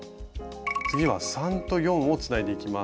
次は３と４をつないでいきます。